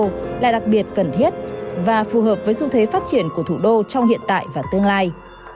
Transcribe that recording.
mục tiêu là đặc biệt cần thiết và phù hợp với xu thế phát triển của thủ đô trong hiện tại và tương lai